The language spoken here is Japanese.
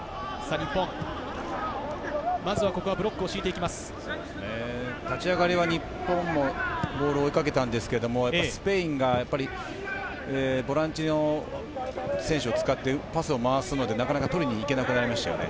日本ブロックを立ち上がりは日本もボールを追いかけたのですが、スペインがボランチの選手を使ってパスを回すのでなかなか取りにいけなくなりました。